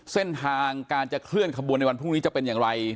เส้นทางการจะเคลื่อนขบวนในวันพรุ่งนี้จะเป็นอย่างไร